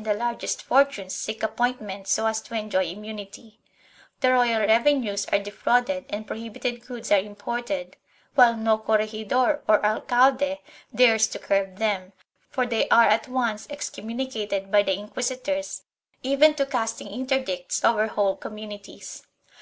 IV] EVILS OF THE SYSTEM 511 the largest fortunes seek appointment so as to enjoy immunity; the royal revenues are defrauded and prohibited goods are imported, while no corregidor or alcalde dares to curb them, for they are at once excommunicated by the inquisitors, even to casting interdicts over whole communities.